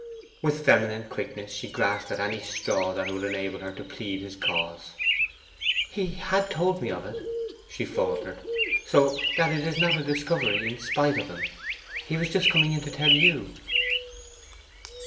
With feminine quickness she grasped at any straw that would enable her to plead his cause. 'He had told me of it,' she faltered; 'so that it is not a discovery in spite of him. He was just coming in to tell you.